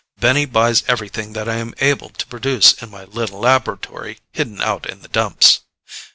Benny buys everything that I am able to produce in my little laboratory hidden out in the Dumps.